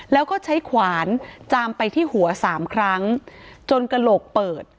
แล้วก็ใช้ขวานจามไปที่หัวสามครั้งจนกระโหลกเปิด